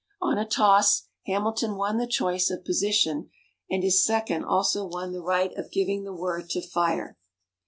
On a toss Hamilton won the choice of position and his second also won the right of giving the word to fire.